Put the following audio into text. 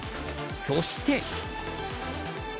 そして。